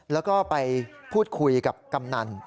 แล้วก็ไปพูดคุยกับกำนัน